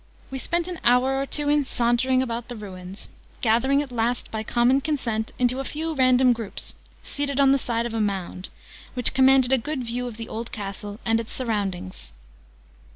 We spent an hour or two in sauntering about the ruins: gathering at last, by common consent, into a few random groups, seated on the side of a mound, which commanded a good view of the old castle and its surroundings.